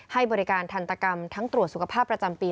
ให้บริการทันตกรรมทั้งตรวจสุขภาพประจำปี